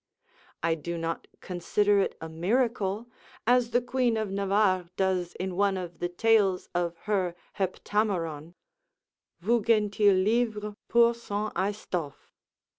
I do not consider it a miracle, as the Queen of Navarre does in one of the Tales of her Heptameron ["Vu gentil liure pour son estoffe."